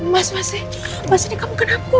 mas masih masih dikabukin aku